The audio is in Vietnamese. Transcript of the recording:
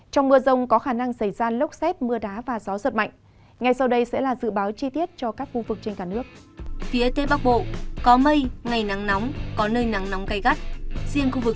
trong mưa rông có khả năng xảy ra lốc xét mưa đá và gió giật mạnh